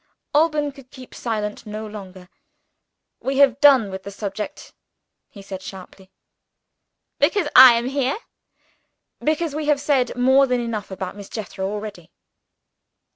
Alban could keep silent no longer. "We have done with the subject," he said sharply. "Because I am here?" "Because we have said more than enough about Miss Jethro already."